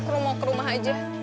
aku mau ke rumah aja